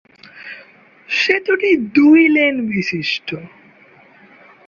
সেতুটি দুই লেন বিশিষ্ট।